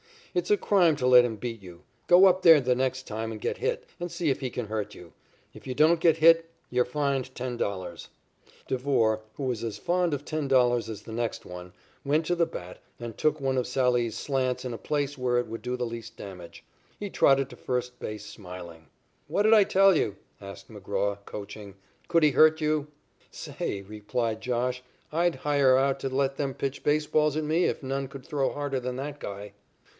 It's a crime to let him beat you. Go up there the next time and get hit, and see if he can hurt you. If you don't get hit, you're fined $10." Devore, who is as fond of $10 as the next one, went to the bat and took one of Sallee's slants in a place where it would do the least damage. He trotted to first base smiling. "What'd I tell you?" asked McGraw, coaching. "Could he hurt you?" "Say," replied "Josh," "I'd hire out to let them pitch baseballs at me if none could throw harder than that guy."